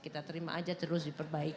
kita terima aja terus diperbaiki